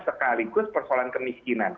sekaligus persoalan kemiskinan